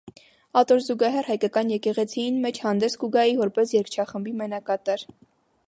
Ատոր զուգահեռ հայկական եկեղեցիին մէջ հանդէս կու գայ որպէս երգչախումբի մենակատար։